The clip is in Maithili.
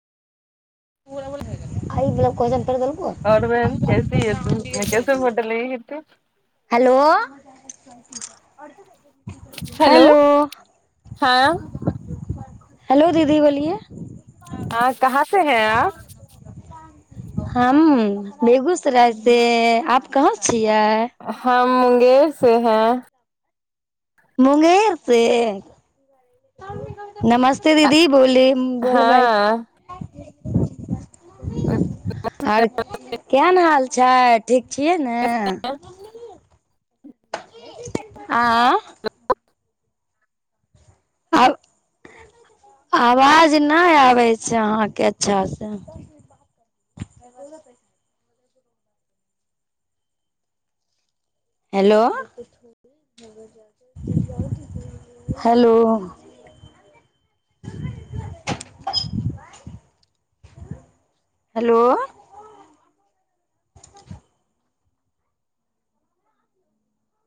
[unintelligible] ख ब क जान [inaudible] और बहन कैसी है तू मै कैसे फोटो ली ही ती हेलो हेलो हँं हेलो दीदी बोलिए हँ कहाँ से हैं आप हम बेगूसराय से हूँ आप कहाँ छियैक हम मुंगेर से हैं मुंगेर से नमस्ते दीदी बोलिए हाँ आर केहन हाल छै ठीक छियै ने आँ आब आवाज नहि आबै छै अहाँके अच्छाँसे हैेलो हेलो हेलो